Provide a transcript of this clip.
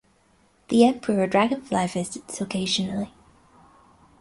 The emperor dragonfly visits occasionally.